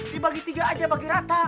dibagi tiga aja bagi rata